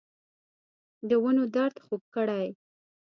دونو درد خوږ کړی